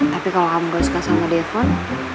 tapi kalau kamu enggak suka sama devon